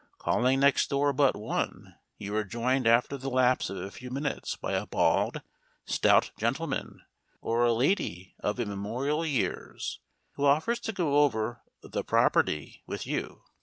Calling next door but one, you are joined after the lapse of a few minutes by a bald, stout gentleman, or a lady of immemorial years, who offers to go over "the property" with you.